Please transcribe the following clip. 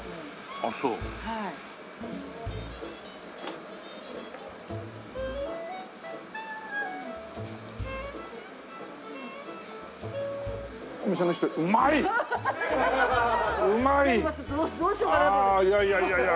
ああいやいやいやいや。